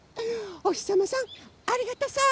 おひさまさんありがとさん！